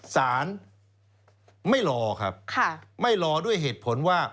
สารไม่รอครับไม่รอด้วยเหตุผลว่า